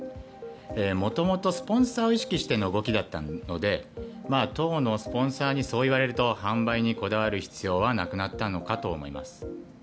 もともとスポンサーを意識しての動きだったので当のスポンサーにそう言われると販売にこだわる必要はなくなったのかなと思います。